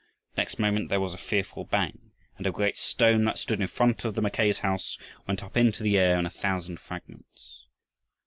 Next moment there was a fearful bang and a great stone that stood in front of the Mackays' house went up into the air in a thousand fragments.